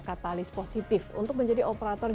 katalis positif untuk menjadi operator